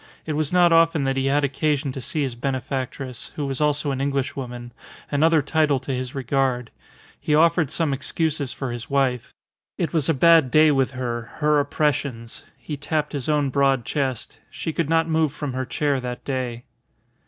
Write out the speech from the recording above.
It was not often that he had occasion to see his benefactress, who was also an Englishwoman another title to his regard. He offered some excuses for his wife. It was a bad day with her; her oppressions he tapped his own broad chest. She could not move from her chair that day.